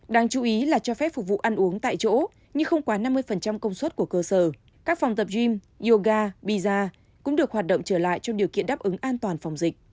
đáng chú ý là cho phép phục vụ ăn uống tại chỗ nhưng không quá năm mươi công suất của cơ sở các phòng tập gym yoga pizza cũng được hoạt động trở lại trong điều kiện đáp ứng an toàn phòng dịch